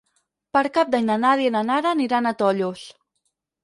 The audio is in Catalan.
Per Cap d'Any na Nàdia i na Nara aniran a Tollos.